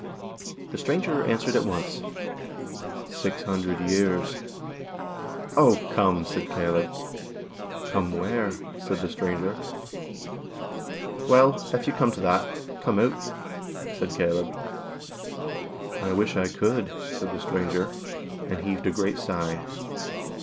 The stranger answered at once " Six hun dred years." " Oh ! come !" said Caleb. " Come where ?" said the stranger. " Well, if you come to that, come out," said Caleb. "I wish I could," said the stranger, and heaved a great sigh.